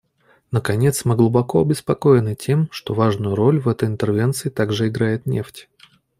Наконец, мы глубоко обеспокоены тем, что важную роль в этой интервенции также играет нефть.